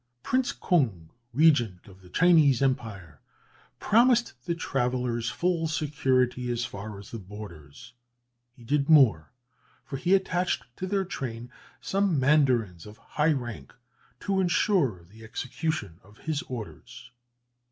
Prince Kung, regent of the Chinese Empire, promised the travellers full security as far as the borders. He did more; for he attached to their train some mandarins of high rank to ensure the execution of his orders.